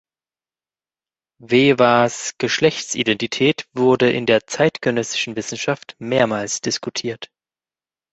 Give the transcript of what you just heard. We’whas Geschlechtsidentität wurde in der zeitgenössischen Wissenschaft mehrmals diskutiert.